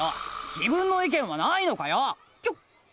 自分の意見はないのかよ！